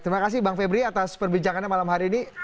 terima kasih bang febri atas perbincangannya malam hari ini